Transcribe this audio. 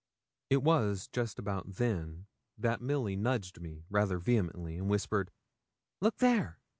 It was just about then that Milly nudged me rather vehemently, and whispered 'Look there!'